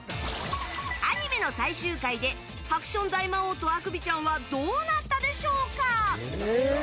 アニメの最終回でハクション大魔王とアクビちゃんはどうなったでしょうか。